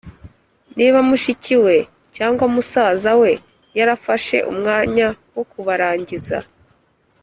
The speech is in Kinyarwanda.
niba mushiki we cyangwa musaza we yarafashe umwanya wo kuborangiza